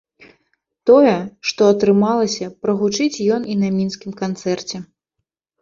Тое, што атрымалася прагучыць ён і на мінскім канцэрце.